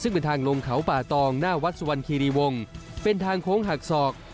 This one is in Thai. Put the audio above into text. ซึ่งเป็นทางลงเขาป่าตองหน้าวัดสวรรคีรีวงเป็นทางโค้งหักศอก